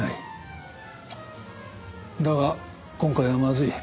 だが今回はまずい。